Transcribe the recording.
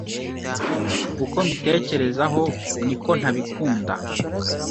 Uko mbitekerezaho, niko ntabikunda.